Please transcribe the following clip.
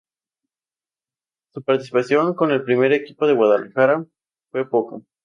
Su participación con el primer equipo del Guadalajara fue poca.